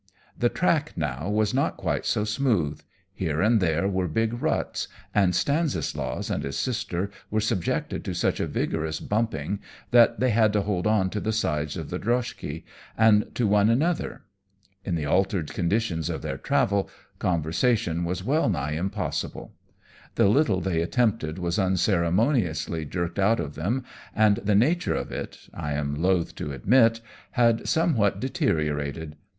The track now was not quite so smooth; here and there were big ruts, and Stanislaus and his sister were subjected to such a vigorous bumping that they had to hold on to the sides of the droshky, and to one another. In the altered conditions of their travel, conversation was well nigh impossible. The little they attempted was unceremoniously jerked out of them, and the nature of it I am loath to admit had somewhat deteriorated.